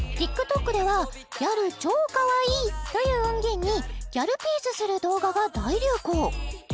ＴｉｋＴｏｋでは「ギャルちょーかわいい」という音源にギャルピースする動画が大流行